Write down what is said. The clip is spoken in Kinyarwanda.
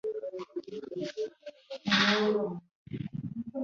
Umugabo uzabona ibaruwa yavuye ari mubiruhuko nonaha.